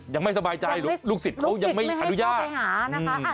ยังไม่สบายใจลูกศิษย์เขายังไม่อันยาลูกศิษย์ไม่ให้เข้าไปหานะคะ